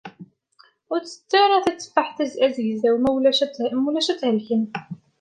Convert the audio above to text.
Ur tettet ara tteffaḥ azegzaw, ma ulac ad thelkem.